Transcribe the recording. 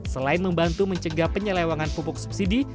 selain membantu mencegah penyelewangan pupuk subsidi